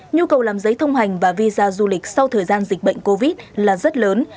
nhu cầu làm giấy thông hành và visa du lịch sau thời gian dịch bệnh covid là rất lớn